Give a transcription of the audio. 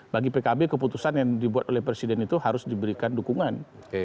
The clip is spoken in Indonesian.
bagi pkb keputusan yang dibuat oleh presiden itu harus diberikan dukungan